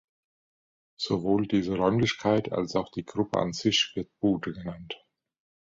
Sowohl diese Räumlichkeit als auch die Gruppe an sich wird „Bude“ genannt.